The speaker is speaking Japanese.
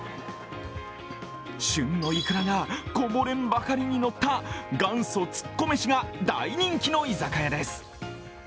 旬のイクラがこぼれんばかりにのった、元祖つっこ飯が大人気の居酒屋です。